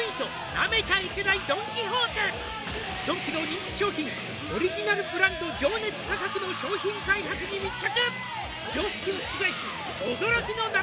「なめちゃいけないドン・キホーテ」「ドンキの人気商品オリジナルブランド」「情熱価格の商品開発に密着」